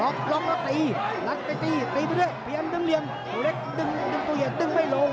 โอ้เวรนุกรอรองมาตีตีไปเรื่อยอนั่นดึงเรียนเล็กดึงตัวหยั่นดึงไม่ลง